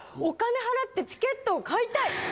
お金払ってチケットを買いたい！